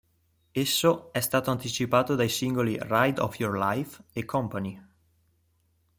Esso è stato anticipato dai singoli "Ride Of Your Life" e "Company".